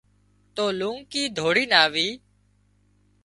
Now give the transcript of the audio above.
تو لونڪِي ڌوڙينَ آوي